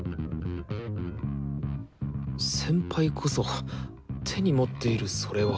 先輩こそ手に持っているそれは。